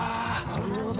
なるほど。